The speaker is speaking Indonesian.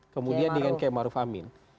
kemudian dengan kemaruf amin